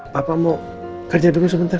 bapak mau kerja dulu sebentar